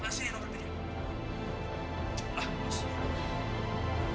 mas sini nonton dirinya